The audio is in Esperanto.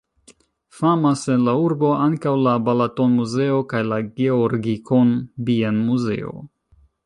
Famas en la urbo ankaŭ la Balaton-muzeo kaj la Georgikon-bienmuzeo.